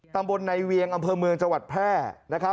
ตำบลในเวียงอำเภอเมืองจังหวัดแพร่นะครับ